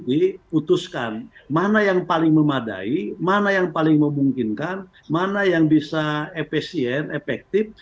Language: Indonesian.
jadi putuskan mana yang paling memadai mana yang paling memungkinkan mana yang bisa efesien efektif